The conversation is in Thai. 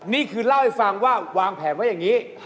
นี่คือเล่าให้ฟังว่าวางแผนไว้อย่างนี้